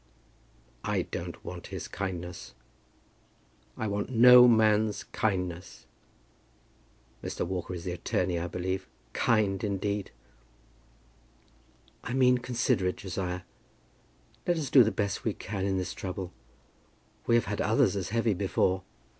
"I don't want his kindness. I want no man's kindness. Mr. Walker is the attorney, I believe. Kind, indeed!" "I mean considerate. Josiah, let us do the best we can in this trouble. We have had others as heavy before."